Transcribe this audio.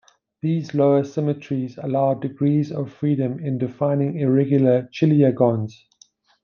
These lower symmetries allows degrees of freedom in defining irregular chiliagons.